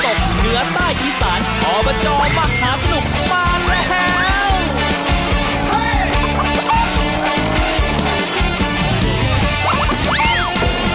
เหนือใต้อีสานอบจมหาสนุกมาแล้ว